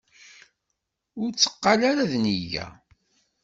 Ur tteqqal ara d nneyya!